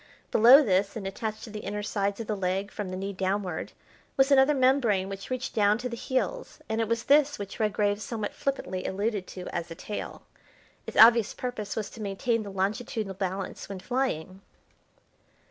Below this and attached to the inner sides of the leg from the knee downward, was another membrane which reached down to the heels, and it was this which Redgrave somewhat flippantly alluded to as a tail. Its obvious purpose was to maintain the longitudinal balance when flying.